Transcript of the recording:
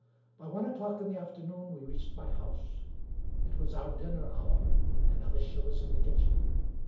By one o'clock in the afternoon we reached my house. It was our dinner hour, and Alicia was in the kitchen.